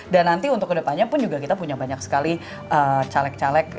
dan nanti untuk ke depannya pun kita punya banyak sekali caleg caleg